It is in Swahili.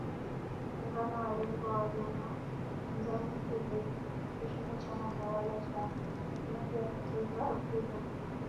Muungano wa Rainbow wa vyama pinzani ulikishinda chama tawala cha umoja wa kitaifa Afrika